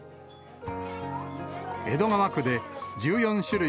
江戸川区で１４種類